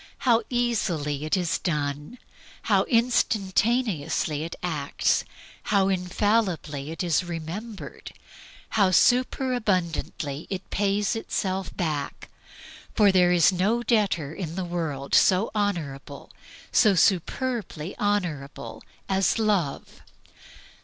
How easily it is done! How instantaneously it acts! How infallibly it is remembered! How superabundantly it pays itself back for there is no debtor in the world so honorable, so superbly honorable, as Love.